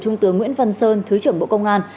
trung tướng nguyễn văn sơn thứ trưởng bộ công an